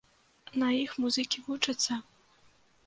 На іх музыкі вучацца!